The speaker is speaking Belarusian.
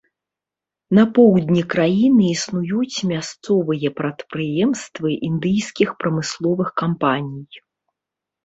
На поўдні краіны існуюць мясцовыя прадпрыемствы індыйскіх прамысловых кампаній.